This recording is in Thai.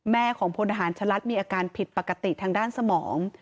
ของพลทหารชะลัดมีอาการผิดปกติทางด้านสมอง